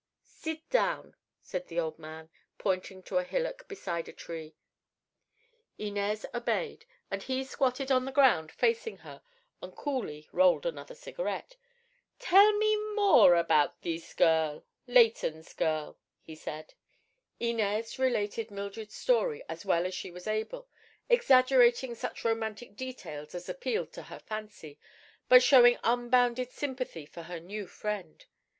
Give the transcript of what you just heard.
"Sit down," said the old man, pointing to a hillock beside a tree. Inez obeyed, and he squatted on the ground facing her and coolly rolled another cigarette. "Tell me more about thees girl—Leighton's girl," he said. Inez related Mildred's story as well as she was able, exaggerating such romantic details as appealed to her fancy, but showing unbounded sympathy for her new friend.